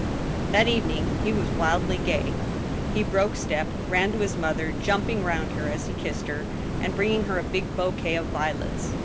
That evening he was wildly gay. He broke step, ran to his mother, jumping round her as he kissed her, and bringing her a big bouquet of violets.